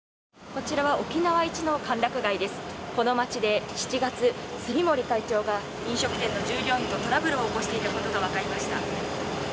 この街で７月、杉森会長が飲食店の従業員とトラブルを起こしていたことが分かりました。